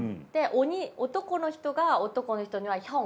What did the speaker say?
男の人が男の人には「ヒョン」。